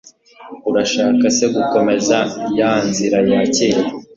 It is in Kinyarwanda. urashaka se gukomeza ya nzira ya kera